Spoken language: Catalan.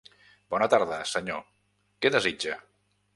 Bona tarda, senyor, què desitja?